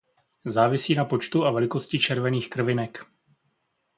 Závisí na počtu a velikosti červených krvinek.